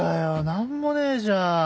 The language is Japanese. なんもねえじゃん！